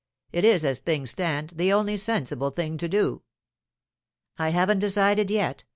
It is, as things stand, the only sensible thing to do.' 'I haven't decided yet.